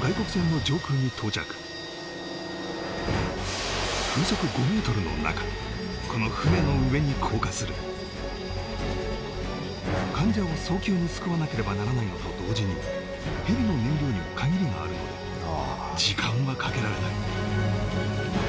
外国船の上空にの中この船の上に降下する患者を早急に救わなければならないのと同時にヘリの燃料にも限りがあるので時間はかけられない